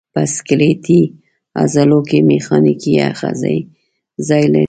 په سکلیټي عضلو کې میخانیکي آخذې ځای لري.